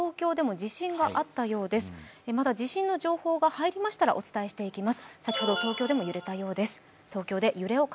地震の情報が入りましたら、お伝えします。